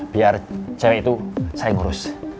biar cewek itu saya ngurus